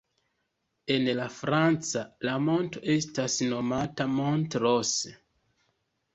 En la franca, la monto estas nomata "Mont Rose".